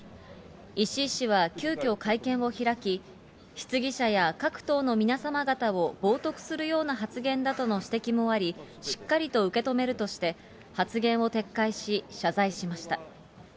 石井氏は急きょ、会見を開き、質疑者や各党の皆様方を冒とくするような発言だとの指摘もあり、しっかりと受け止めるとして、発言を撤回し、謝罪しました。